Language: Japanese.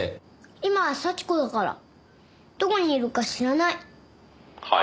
今は幸子だからどこにいるか知らない。